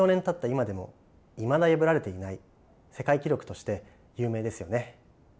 今でもいまだ破られていない世界記録として有名ですよね。